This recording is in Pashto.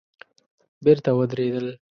بېرته ودرېدل.